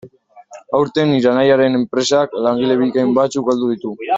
Aurten, nire anaiaren enpresak langile bikain batzuk galdu ditu.